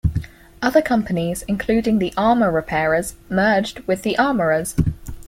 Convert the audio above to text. Other Companies, including the Armour Repairers, merged with the Armourers.